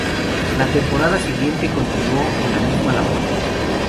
La temporada siguiente continuó en la misma labor.